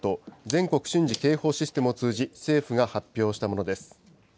・全国瞬時警報システムを通じ、政府が発表したものです。